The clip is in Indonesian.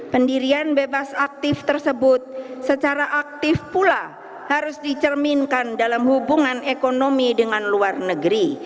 pendirian bebas aktif tersebut secara aktif pula harus dicerminkan dalam hubungan ekonomi dengan luar negeri